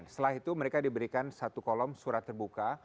setelah itu mereka diberikan satu kolom surat terbuka